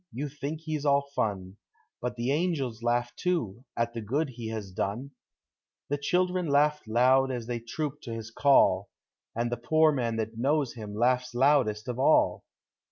— You think he's all fun; But the angels laugh, too, at the good he has done ; The children laugh loud as they troop to his call, And the poor man that knows him laughs loudest of all!